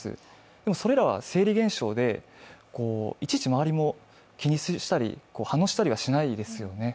でもそれらは生理現象でいちいち周りも気にしたり、反応したりはしないですよね。